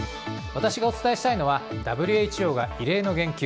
私がお伝えしたいのはＷＨＯが異例の言及。